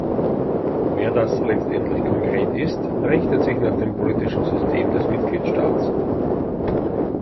Wer das letztendlich konkret ist, richtet sich nach dem politischen System des Mitgliedstaats.